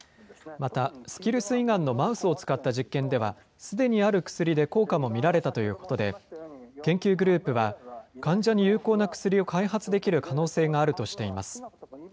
また、スキルス胃がんのマウスを使った実験では、すでにある薬で効果も見られたということで、研究グループは、患者に有効な薬を開発できる可能性があるとしています。